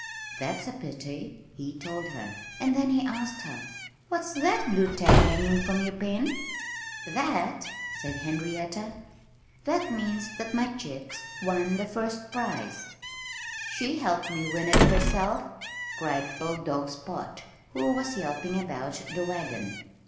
"That's a pity," he told her. And then he asked her, "What's that blue tag hanging from your pen?" "That " said Henrietta "that means that my chicks won the first prize." "She helped win it herself," cried old dog Spot, who was yelping about the wagon.